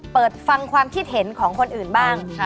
เปิดฟังความคิดเห็นของคนอื่นบ้าง